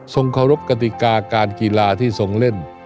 เคารพกติกาการกีฬาที่ทรงเล่น